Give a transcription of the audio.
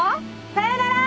さよなら！